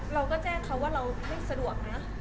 เราก็แจ้งเขาว่าเราไม่สะดวกนะ